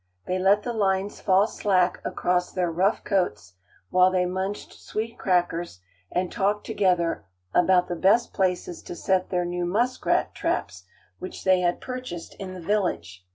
They let the lines fall slack across their rough coats, while they munched sweet crackers, and talked together about the best places to set their new muskrat traps, which they had purchased in the village.